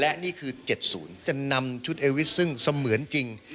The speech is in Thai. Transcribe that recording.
และนี่คือ๗๐จะนำชุดเอวิสซึ่งเสมือนจริง